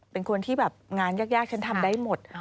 เป็นคนที่แบบงานยากฉันทำได้หมด